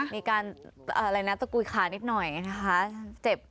มีการอะไรนะตะกุยขานิดหน่อยนะคะเจ็บ